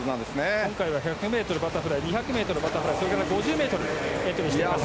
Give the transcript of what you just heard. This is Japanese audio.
今回は１００ｍバタフライ２００ｍバタフライそれから５０ｍにエントリーしています。